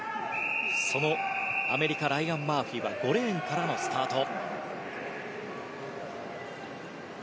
そのアメリカライアン・マーフィーは５レーンからのスタート。